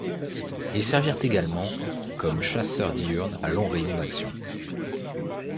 Ils servirent également comme chasseur diurne à long rayon d'action.